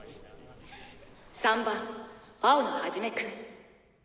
３番青野一くん。